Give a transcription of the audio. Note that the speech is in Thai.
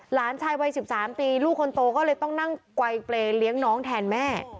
หลานชายวัย๑๓ปีลูกคนโตก็เลยต้องนั่งไกลเปรย์เลี้ยงน้องแทนแม่